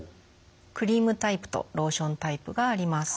クリームタイプとローションタイプがあります。